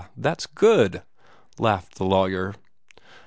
That's good!" laughed the lawyer.